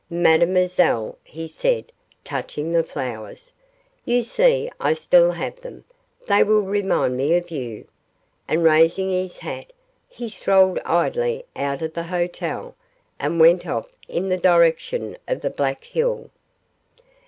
'Mademoiselle,' he said, touching the flowers, 'you see I still have them they will remind me of you,' and raising his hat he strolled idly out of the hotel, and went off in the direction of the Black Hill.